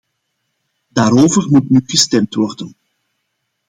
Daarover moet nu gestemd worden.